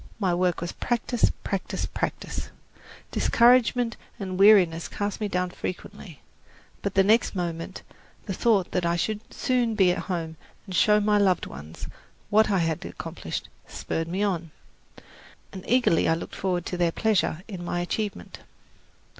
My work was practice, practice, practice. Discouragement and weariness cast me down frequently; but the next moment the thought that I should soon be at home and show my loved ones what I had accomplished, spurred me on, and I eagerly looked forward to their pleasure in my achievement.